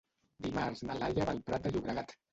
Dimarts na Laia va al Prat de Llobregat.